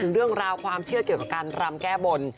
เรื่องราวความเชื่อเกี่ยวกับการรำแก้บน